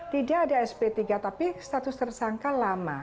tidak ada sp tiga tapi status tersangka lama